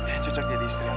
aku sudah beristirahat